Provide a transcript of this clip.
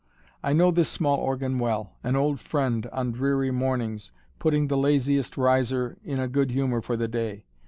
I know this small organ well an old friend on dreary mornings, putting the laziest riser in a good humor for the day.